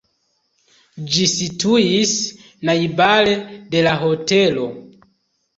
Ĝi situis najbare de la hotelo.